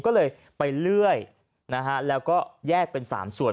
ก็เลยไปเลื่อยนะฮะแล้วก็แยกเป็น๓ส่วน